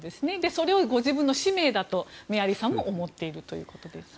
それをご自分の使命だとメアリーさんも思っているということです。